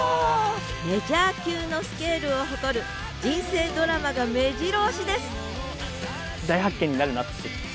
メジャー級のスケールを誇る人生ドラマがめじろ押しです！